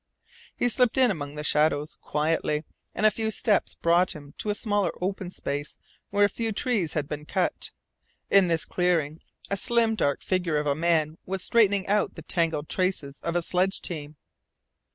He slipped in among the shadows quietly, and a few steps brought him to a smaller open space where a few trees had been cut. In this little clearing a slim dark figure of a man was straightening out the tangled traces of a sledge team.